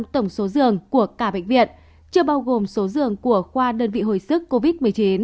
một mươi tổng số dường của cả bệnh viện chưa bao gồm số dường của khoa đơn vị hồi sức covid một mươi chín